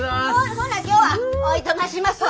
ほな今日はおいとましますわ。